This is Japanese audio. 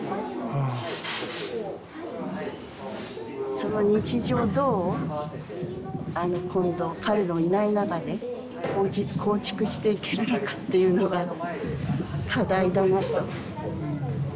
その日常をどうあの今度彼のいない中で構築していけるのかっていうのが課題だなと。